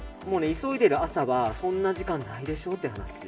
急いでいる朝はそんな時間ないでしょって話。